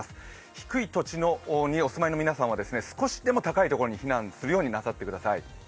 低い土地にお住まいの皆さんは少しでも高いところに避難するようになさってください。